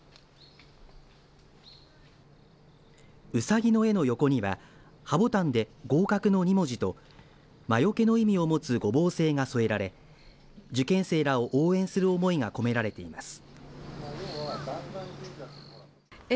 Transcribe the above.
うさぎの絵の横にははぼたんで合格の２文字と魔よけの意味を持つ五ぼう星が添えられ受験生らを応援する思いが込められています。